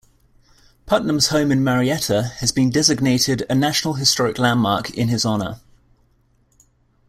Putnam's home in Marietta has been designated a National Historic Landmark in his honor.